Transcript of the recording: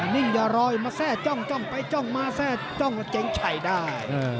นิ่งอย่ารอยมาแทร่จ้องจ้องไปจ้องมาแทร่จ้องแล้วเจ๋งไฉ่ได้